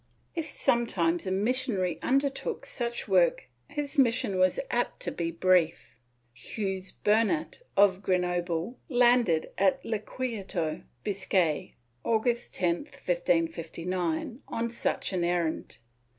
If some times a missionary undertook such work his mission was apt to be brief. Hugues Bernat of Grenoble landed at Lequeitio (Bis cay) August 10, 1559, on such an errand.